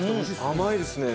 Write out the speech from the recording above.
甘いですね。